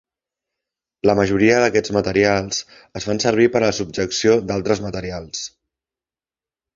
La majoria d'aquests materials es fan servir per a subjecció d'altres materials.